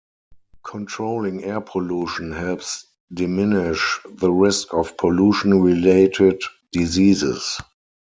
Controlling air pollution helps diminish the risk of pollution-related diseases.